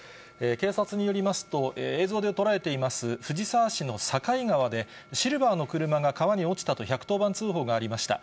警察によりますと、映像で捉えています、藤沢市の境川で、シルバーの車が川に落ちたと１１０番通報がありました。